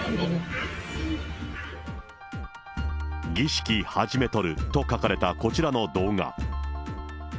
儀式始めとると書かれたこちらの動画。